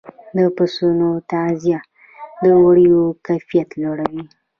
د پسونو تغذیه د وړیو کیفیت لوړوي.